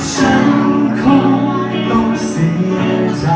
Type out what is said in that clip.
ฉันคงต้องเสียใจ